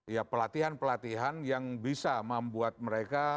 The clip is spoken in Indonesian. ya pelatihan pelatihan yang bisa membuat mereka